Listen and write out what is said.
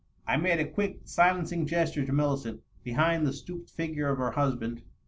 I made a quick, silencing gesture to Millicent, behind the stooped figure of her husband.